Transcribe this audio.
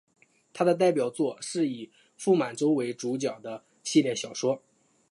他的代表作是以傅满洲为主角的系列小说。